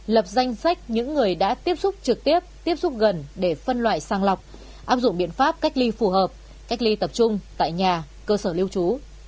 lập danh sách những người đã tiếp xúc trực tiếp tiếp xúc gần để phân loại sang lọc áp dụng biện pháp cách ly phù hợp cách ly tập trung tại nhà cơ sở lưu trú